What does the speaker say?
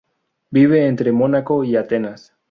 Vive entre Mónaco y Atenas.